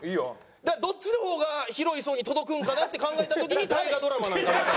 だからどっちの方が広い層に届くんかな？って考えた時に大河ドラマなのかなと。